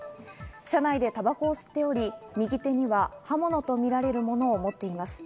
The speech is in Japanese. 車内でタバコを吸っており、右手には刃物とみられるものを持っています。